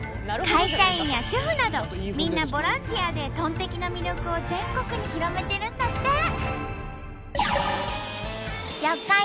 会社員や主婦などみんなボランティアでトンテキの魅力を全国に広めてるんだって！